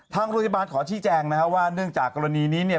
ทางโรยบาลขอชี้แจ้งว่าเนื่องจากกรณีนี้